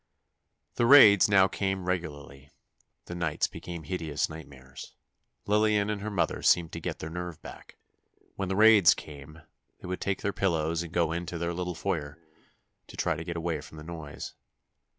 The raids now came regularly. The nights became hideous nightmares. Lillian and her mother seemed to get their nerve back. When the raids came, they would take their pillows and go into their little foyer, to try to get away from the noise.